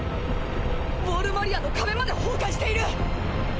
ウォール・マリアの壁まで崩壊している！！